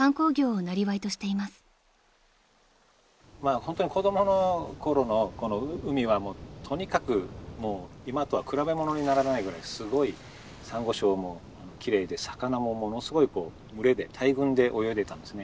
ホントに子供のころの海はとにかく今とは比べものにならないぐらいすごいサンゴ礁も奇麗で魚もものすごい群れで大群で泳いでたんですね。